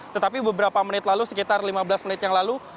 tetapi beberapa menit lalu sekitar lima belas menit yang lalu